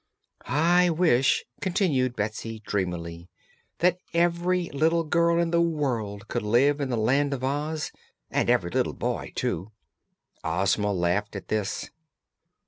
"I wish," continued Betsy, dreamily, "that every little girl in the world could live in the Land of Oz; and every little boy, too!" Ozma laughed at this.